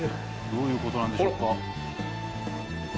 どういう事なんでしょうか？